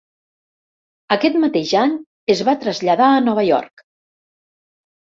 Aquest mateix any es va traslladar a Nova York.